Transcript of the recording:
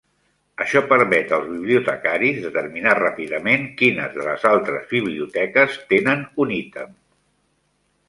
Això permet als bibliotecaris determinar ràpidament quines de les altres biblioteques tenen un ítem.